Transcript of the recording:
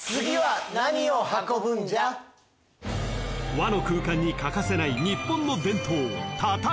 ［和の空間に欠かせない日本の伝統］